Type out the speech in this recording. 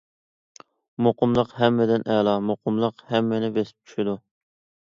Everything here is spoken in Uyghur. مۇقىملىق ھەممىدىن ئەلا، مۇقىملىق ھەممىنى بېسىپ چۈشىدۇ.